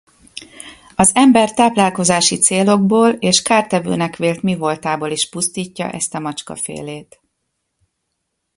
Az ember táplálkozási célokból és kártevőnek vélt mivoltából is pusztítja ezt a macskafélét.